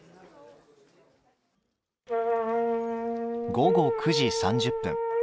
午後９時３０分。